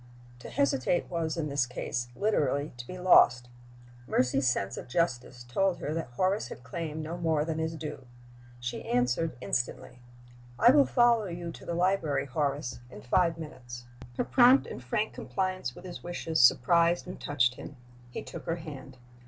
To hesitate was, in this case, literally to be lost. Mercy's sense of justice told her that Horace had claimed no more than his due. She answered instantly: "I will follow you to the library, Horace, in five minutes." Her prompt and frank compliance with his wishes surprised and touched him. He took her hand.